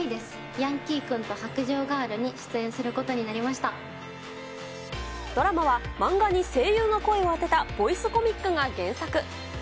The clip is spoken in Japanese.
ヤンキー君と白杖ガールドラマは、漫画に声優の声を当てたボイスコミックが原作。